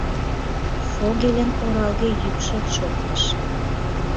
Фогельын оралге йӱкшӧ шоктыш.